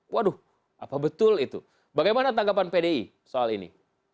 waduh apa betul itu bagaimana tanggapan pdi soal ini